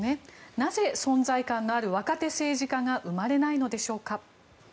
なぜ、存在感のある若手政治家が生まれないのでしょうか？